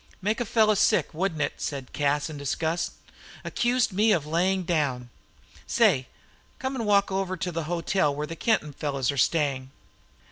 "Make a fellow sick, wouldn't it?" said Cas, in disgust. "Accused me of laying down! Say, come and walk over to the hotel where the Kenton fellows are staying."